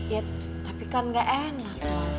ya tapi kan nggak enak mas